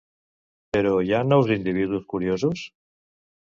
Però hi ha nous individus curiosos?